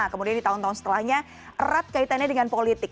kemudian di tahun tahun setelahnya erat kaitannya dengan politik